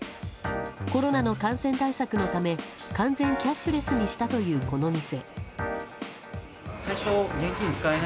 コロナの感染対策のため完全キャッシュレスにしたというこの店。